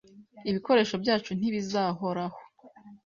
Ibikoresho byacu ntibizahoraho.